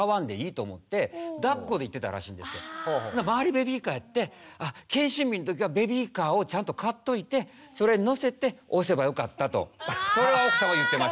ベビーカーで「あ！健診日の時はベビーカーをちゃんと買っといてそれに乗せて押せばよかった」とそれは奥さんは言ってました。